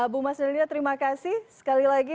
bu mas dalina terima kasih sekali lagi